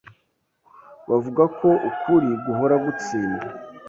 Bavuga ko ukuri guhora gutsinda.